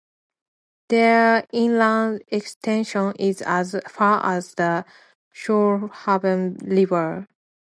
Their inland extension is as far as the Shoalhaven River.